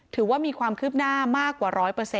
ถือว่ามีความคืบหน้ามากกว่า๑๐๐